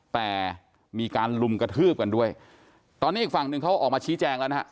แต่มีการลุมกระทืบกันด้วยตอนนี้อีกฝั่งหนึ่งเขาออกมาชี้แจงแล้วนะฮะ